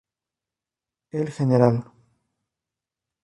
El Gral.